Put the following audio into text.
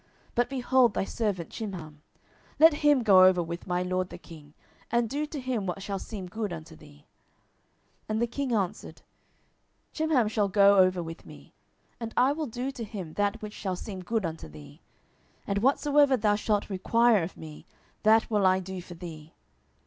But behold thy servant Chimham; let him go over with my lord the king; and do to him what shall seem good unto thee. 10:019:038 And the king answered, Chimham shall go over with me, and I will do to him that which shall seem good unto thee: and whatsoever thou shalt require of me, that will I do for thee.